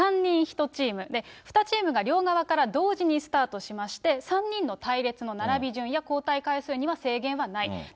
３人１チーム、２チームが両側から同時にスタートしまして、３人の隊列の並び順や、交代回数には制限はない。